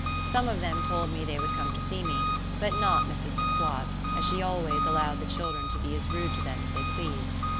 Some of them told me they would come to see me, but not Mrs M'Swat, as she always allowed the children to be as rude to them as they pleased.